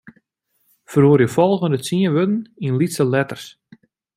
Feroarje folgjende tsien wurden yn lytse letters.